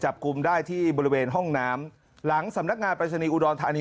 จับกลุ่มได้ที่บริเวณห้องน้ำหลังสำนักงานปรายศนีย์อุดรธานี